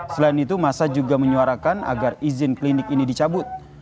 selain itu masa juga menyuarakan agar izin klinik ini dicabut